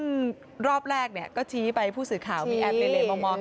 ซึ่งรอบแรกเนี่ยก็ชี้ไปผู้สื่อข่าวมีแอปเลเลมอง